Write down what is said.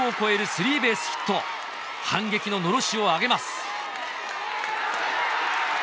スリーベースヒット反撃ののろしを上げます